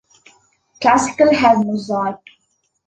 Classical had Mozart.